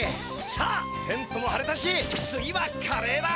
さあテントもはれたし次はカレーだ！